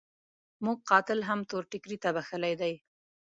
موږ قاتل هم تور ټکري ته بخښلی دی.